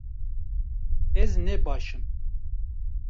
Ez ne baş im